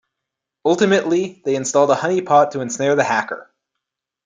Ultimately, they installed a honeypot to ensnare the hacker.